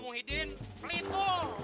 mu hidin pelituh